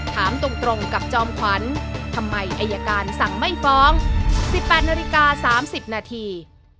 ถามตรงตรงกับจอมขวัญทำไมอัยการสั่งไม่ฟ้องสิบแปดนาฬิกาสามสิบนาที